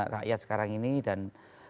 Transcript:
rakyat sekarang ini dan